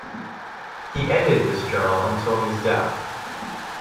He edited this journal until his death.